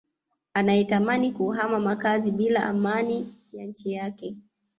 anayetamani kuhama makazi bila amani ya nchi yake